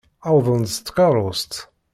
Uwḍen-d s tkeṛṛust.